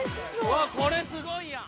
わあこれすごいやん。